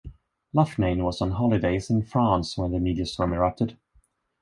Loughnane was on holidays in France when the media storm erupted.